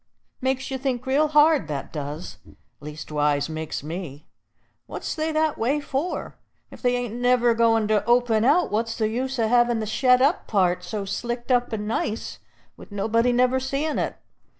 Makes you think real hard, that does; leastways, makes me. What's they that way for? If they ain't never goin' to open out, what's the use o' havin' the shet up part so slicked up and nice, with nobody never seein' it?